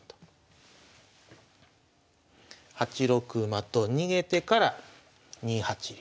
８六馬と逃げてから２八竜。